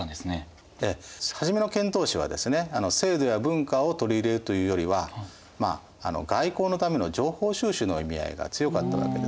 初めの遣唐使はですね制度や文化を取り入れるというよりは外交のための情報収集の意味合いが強かったわけですね。